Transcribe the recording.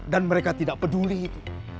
dan mereka tidak peduli itu